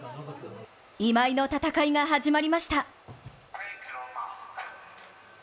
今井の戦いが始まりました。